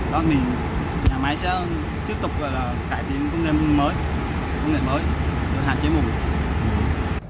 đó là mình nhà máy sẽ tiếp tục cải thiện công nghệ mới công nghệ mới hạn chế mùi